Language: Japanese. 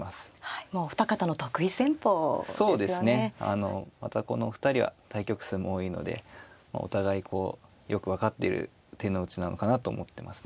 あのまたこのお二人は対局数も多いのでお互いこうよく分かっている手の内なのかなと思ってますね。